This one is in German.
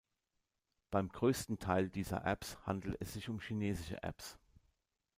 Beim größten Teil dieser Apps handelt es sich um chinesische Apps.